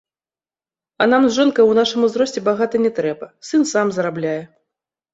А нам з жонкай у нашым узросце багата не трэба, сын сам зарабляе.